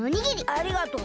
ありがとう。